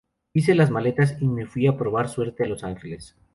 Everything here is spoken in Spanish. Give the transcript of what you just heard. Hice las maletas y me fui a probar suerte a Los Angeles.